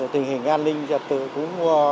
tình hình an ninh trật tự cũng